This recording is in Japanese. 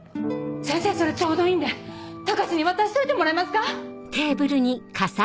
先生それちょうどいいんで高志に渡しといてもらえますか？